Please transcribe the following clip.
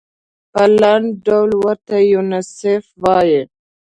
په لنډ ډول ورته یونیسف وايي.